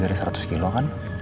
gak lebih dari seratus kilo kan